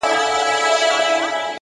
لا به په تا پسي ژړېږمه زه،